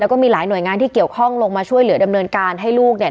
แล้วก็มีหลายหน่วยงานที่เกี่ยวข้องลงมาช่วยเหลือดำเนินการให้ลูกเนี่ย